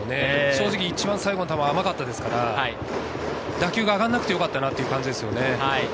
正直一番最後の球は甘かったですから、打球が上がらなくてよかったという感じですね。